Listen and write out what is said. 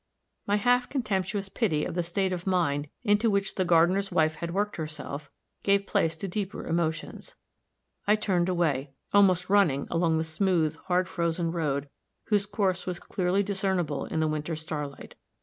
My half contemptuous pity of the state of mind into which the gardener's wife had worked herself, gave place to deeper emotions; I turned away, almost running along the smooth, hard frozen road whose course was clearly discernible in the winter starlight.